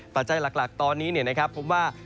ปัจจัยหลักตอนนี้พบว่า